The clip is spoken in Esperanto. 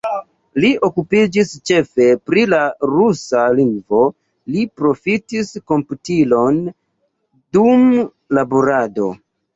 Li okupiĝis ĉefe pri la rusa lingvo, li profitis komputilon dum laborado.